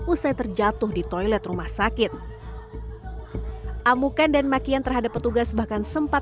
usai terjatuh di toilet rumah sakit amukan dan makian terhadap petugas bahkan sempat